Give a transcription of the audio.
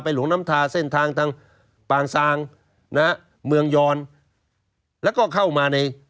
หลวงน้ำทาเส้นทางทางปางซางนะฮะเมืองยอนแล้วก็เข้ามาใน